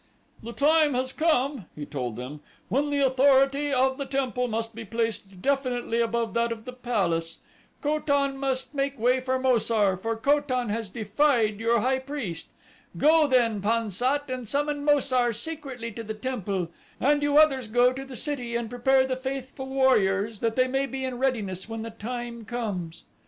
"The time has come," he told them, "when the authority of the temple must be placed definitely above that of the palace. Ko tan must make way for Mo sar, for Ko tan has defied your high priest. Go then, Pan sat, and summon Mo sar secretly to the temple, and you others go to the city and prepare the faithful warriors that they may be in readiness when the time comes."